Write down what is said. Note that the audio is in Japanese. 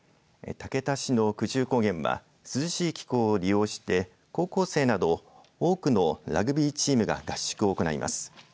竹田市の久住高原は涼しい気候を利用して高校生など多くのラグビーチームが合宿を行います。